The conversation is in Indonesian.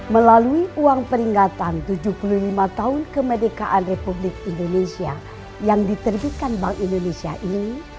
melalui uang peringatan tujuh puluh lima tahun kemerdekaan republik indonesia yang diterbitkan bank indonesia ini